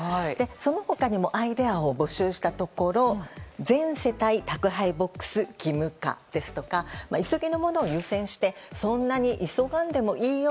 その他にもアイデアを募集したところ全世帯宅配ボックス義務化ですとか急ぎのものを優先してそんなに急がんでもいいよ